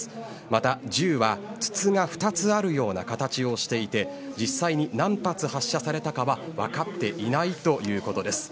また、銃は筒が２つあるような形をしていて実際に何発発射されたかは分かっていないということです。